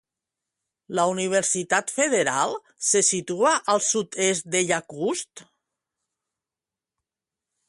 La Universitat Federal se situa al sud-est de Yakutsk?